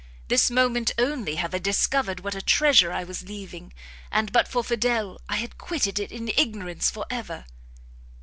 this moment only have I discovered what a treasure I was leaving; and, but for Fidel, I had quitted it in ignorance for ever."